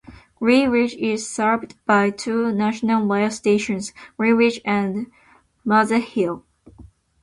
Greenwich is served by two National Rail stations, Greenwich and Maze Hill.